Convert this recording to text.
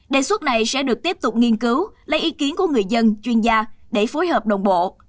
đề xuất này sẽ được tiếp tục nghiên cứu lấy ý kiến của người dân chuyên gia để phối hợp đồng bộ